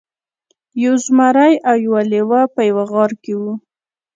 یو زمری او یو لیوه په یوه غار کې وو.